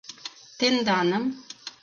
Тенданым.